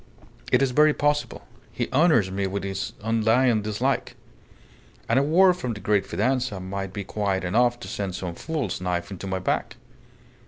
It's very possible. He honours me with his undying dislike. And a word from the great Fidanza may be quite enough to send some fool's knife into my back.